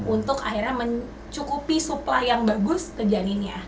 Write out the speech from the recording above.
untuk akhirnya mencukupi supply yang bagus ke janinnya